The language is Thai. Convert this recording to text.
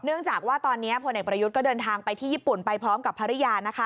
เนื่องจากว่าตอนนี้พลเอกประยุทธ์ก็เดินทางไปที่ญี่ปุ่นไปพร้อมกับภรรยานะคะ